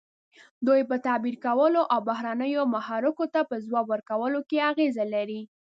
دوی په تعبیر کولو او بهرنیو محرکو ته په ځواب ورکولو کې اغیزه لري.